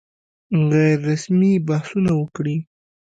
غیر رسمي بحثونه وکړي.